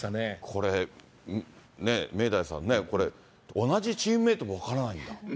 これ、明大さんね、これ、同じチームメートも分からないんだ。